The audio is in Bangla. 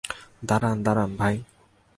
দাঁড়ান, দাঁড়ান ভাই।